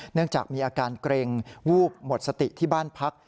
เนื่องจากมีอาการเกร็งวูบหมดสติที่บ้านพัก